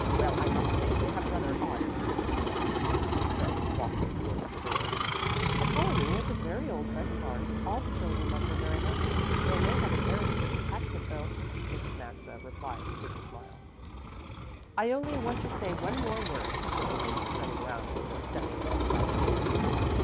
Well, I must say they have rather odd tastes," she said, walking towards the door. "Apollonie is a very old friend of ours. All the children love her very much. They may have inherited this attachment, though," Mrs. Maxa replied with a smile. "I only want to say one more word," said the lady turning round before stepping outside the door.